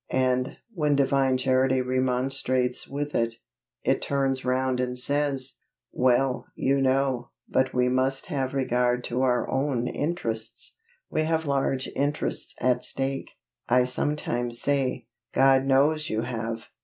And, when Divine Charity remonstrates with it, it turns round and says, "Well, you know, but we must have regard to our own interests; we have large interests at stake." I sometimes say, "God knows you have!